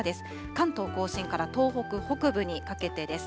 関東甲信から東北北部にかけてです。